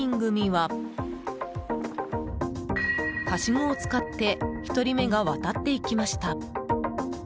はしごを使って１人目が渡っていきました。